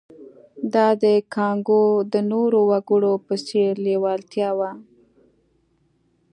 دا د کانګو د نورو وګړو په څېر لېوالتیا وه